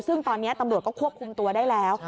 ซึ่งตอนนี้ตำรวจก็ควบคุมตัวได้แล้ว